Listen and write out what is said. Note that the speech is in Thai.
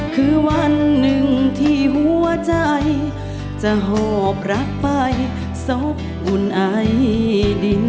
คือวันหนึ่งที่หัวใจจะหอบรักไปศพอุ่นไอดิน